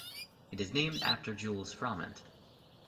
It is named after Jules Froment.